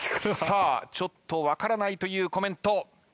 さあちょっと分からないというコメント。